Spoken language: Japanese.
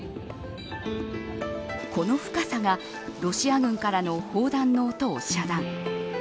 この深さがロシア軍からの砲弾の音を遮断。